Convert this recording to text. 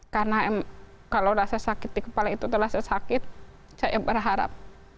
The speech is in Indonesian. karena kalau rasa sakit di kepala itu adalah rasa sakit saya berharap